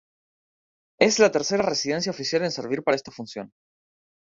Es la tercera residencia oficial en servir para esta función.